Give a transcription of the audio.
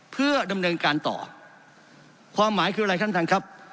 เพื่อดำเนินการต่อความหมายคืออะไรท่านท่านครับ